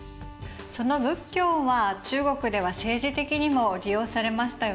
その仏教は中国では政治的にも利用されましたよね。